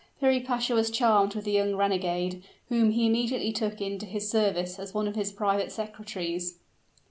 Piri Pasha was charmed with the young renegade, whom he immediately took into his service as one of his private secretaries.